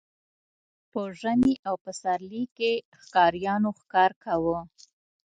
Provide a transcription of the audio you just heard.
په ژمي او پسرلي کې ښکاریانو ښکار کاوه.